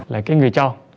là cái người cho